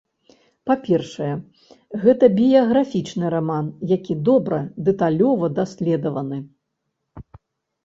Па-першае, гэта біяграфічны раман, які добра, дэталёва даследаваны.